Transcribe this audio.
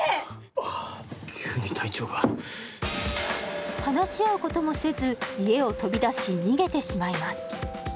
ああ急に体調が話し合うこともせず家を飛び出し逃げてしまいます